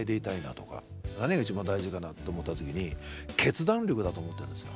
何が一番大事かなと思った時に決断力だと思ったんですよ。